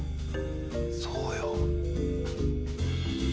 そうよ。